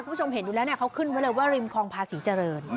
คุณผู้ชมเห็นอยู่แล้วเนี่ยเขาขึ้นไว้เลยว่าริมคลองภาษีเจริญ